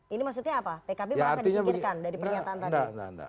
ini maksudnya apa pkb merasa disingkirkan dari pernyataan tadi